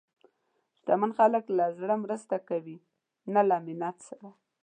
شتمن خلک له زړه مرسته کوي، نه له منت سره.